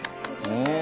うん。